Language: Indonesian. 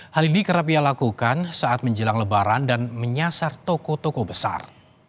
hal ini kerap ia lakukan saat menjelang lebaran dan menyasar toko toko besar